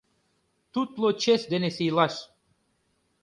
Тутло чес дене сийлаш.